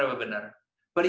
tetapi jika anda ingin membangun